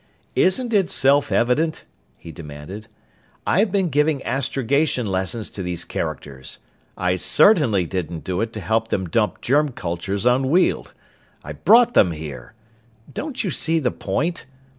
"Isn't it self evident?" he demanded. "I've been giving astrogation lessons to these characters. I certainly didn't do it to help them dump germ cultures on Weald! I brought them here! Don't you see the point?